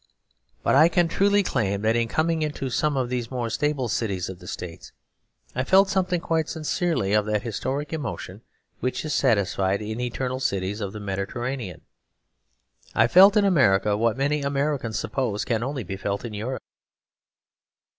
But I can truly claim that in coming into some of these more stable cities of the States I felt something quite sincerely of that historic emotion which is satisfied in the eternal cities of the Mediterranean. I felt in America what many Americans suppose can only be felt in Europe.